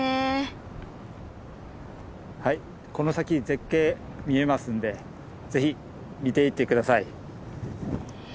はいこの先絶景見えますんでぜひ見ていって下さい。